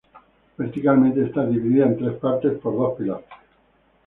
Verticalmente está dividida en tres partes por dos pilastras.